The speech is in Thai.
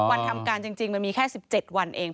วันทำการจริงมันมีแค่๑๗วันเอง